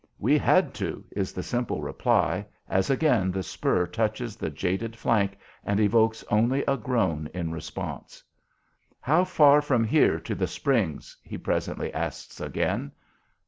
"We had to," is the simple reply as again the spur touches the jaded flank and evokes only a groan in response. "How far from here to the Springs?" he presently asks again.